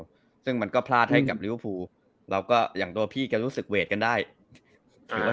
ซึ่งมันก็พลาดให้กับลิเวอร์ฟูเราก็อย่างตัวพี่ก็รู้สึกเวทกันได้ถือว่า